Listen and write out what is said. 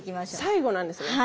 最後なんですね。